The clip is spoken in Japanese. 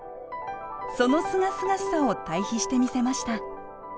そのすがすがしさを対比してみせました。